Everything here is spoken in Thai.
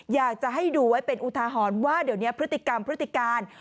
อยากจะให้ดูไว้เป็นอุทาหรณ์ว่าเดี๋ยวนี้พฤติกรรมพฤติการ